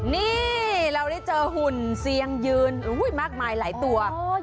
นี่เราได้เจอหุ่นเซียงยืนมากมายหลายตัว